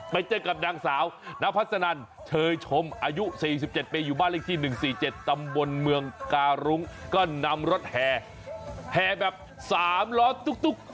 ไปเจอกับนางสาวนพัสนันเชยชมอายุ๔๗ปีอยู่บ้านเลขที่๑๔๗ตำบลเมืองการุ้งก็นำรถแห่แห่แบบ๓ล้อตุ๊ก